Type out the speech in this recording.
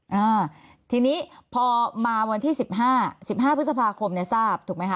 อ่าทีนี้พอมาวันที่สิบห้าสิบห้าพฤษภาคมเนี่ยทราบถูกไหมคะ